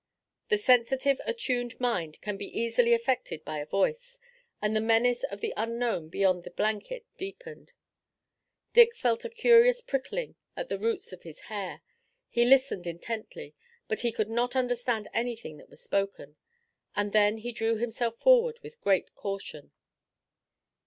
The sensitive, attuned mind can be easily affected by a voice, and the menace of the unknown beyond the blanket deepened. Dick felt a curious prickling at the roots of his hair. He listened intently, but he could not understand anything that was spoken, and then he drew himself forward with great caution.